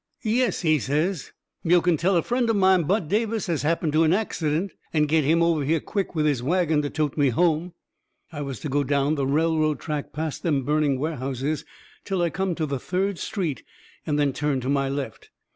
"Yes," he says, "yo' can tell a friend of mine Bud Davis has happened to an accident, and get him over here quick with his wagon to tote me home." I was to go down the railroad track past them burning warehouses till I come to the third street, and then turn to my left.